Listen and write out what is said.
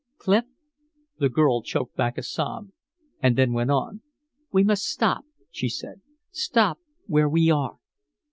Clif " The girl choked back a sob and then went on: "We must stop," she said, "stop where we are."